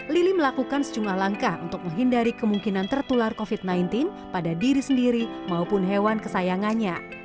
lili melakukan sejumlah langkah untuk menghindari kemungkinan tertular covid sembilan belas pada diri sendiri maupun hewan kesayangannya